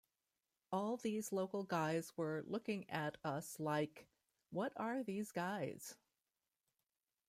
All these local guys were looking at us like, What are these guys?